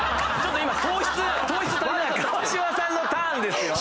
まだ川島さんのターンですよ！